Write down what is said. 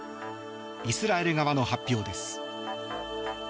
イスラエル側の発表です。